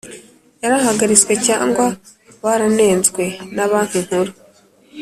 yarahagaritswe cyangwa baranenzwe na Banki Nkuru